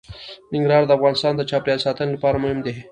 ننګرهار د افغانستان د چاپیریال ساتنې لپاره مهم دي.